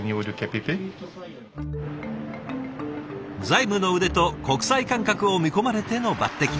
財務の腕と国際感覚を見込まれての抜てき。